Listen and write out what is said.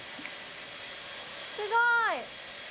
すごい。